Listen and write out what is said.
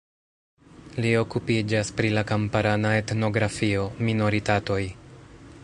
Li okupiĝas pri la kamparana etnografio, minoritatoj.